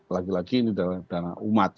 lagi lagi ini dana umat